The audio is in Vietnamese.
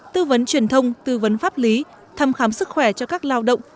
tư vấn truyền thông tư vấn pháp lý thăm khám sức khỏe cho các lao động